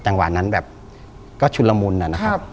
จังหวะนั้นก็ชุลมูลนะ